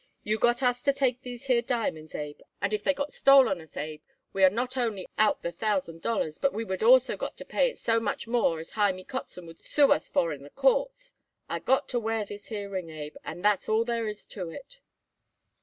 You got us to take these here diamonds, Abe, and if they got stole on us, Abe, we are not only out the thousand dollars, but we would also got to pay it so much more as Hymie Kotzen would sue us for in the courts. I got to wear this here ring, Abe, and that's all there is to it."